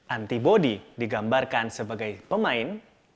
antibodi digambarkan sebagai pemain